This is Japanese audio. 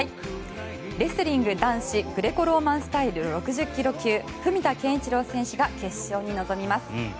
レスリング男子グレコローマンスタイル６０ｋｇ級文田健一郎選手が決勝に臨みます。